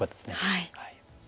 はい。